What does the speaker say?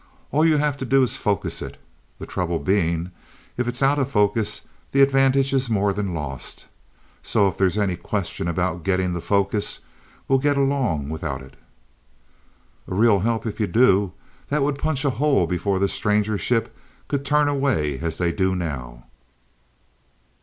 All you have to do is focus it. The trouble being, if it's out of focus the advantage is more than lost. So if there's any question about getting the focus, we'll get along without it." "A real help, if you do. That would punch a hole before the Stranger ship could turn away as they do now."